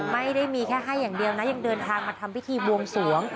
ไม่ได้มีแค่ให้อย่างเดียวนะยังเดินทางมาทำพิธีบวงสวง